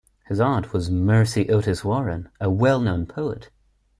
His aunt was Mercy Otis Warren, a well-known poet.